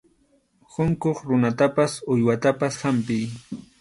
Unquq runatapas uywatapas hampiy.